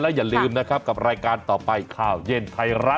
อย่าลืมนะครับกับรายการต่อไปข่าวเย็นไทยรัฐ